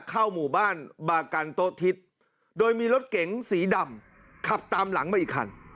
เข้าหมู่บ้านบากันโต๊ทิศโดยมีรถเก๋งสีดำขับตามหลังมาอีกคัน